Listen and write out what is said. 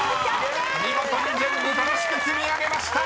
［見事に全部正しく積み上げました！］